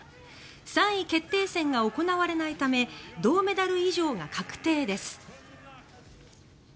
３位決定戦が行われないため銅メダル以上が確定です。